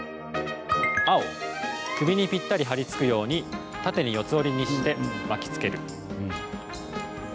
青・首にぴったり張り付くように縦に四つ折りにして巻きつける。